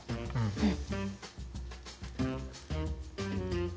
うん。